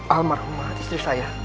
almarhumah istri saya